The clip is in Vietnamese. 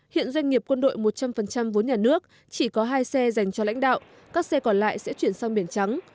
hiện doanh nghiệp quân đội một trăm linh vốn nhà nước chỉ có hai xe dành cho lãnh đạo các xe còn lại sẽ chuyển sang biển trắng